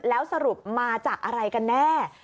แล้วสรุปมาจากอะไรกันแน่